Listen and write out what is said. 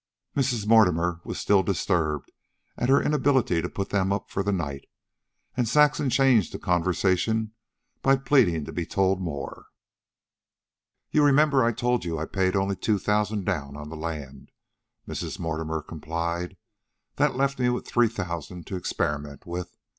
Mrs. Mortimer was still disturbed at her inability to put them up for the night, and Saxon changed the conversation by pleading to be told more. "You remember, I told you I'd paid only two thousand down on the land," Mrs. Mortimer complied. "That left me three thousand to experiment with.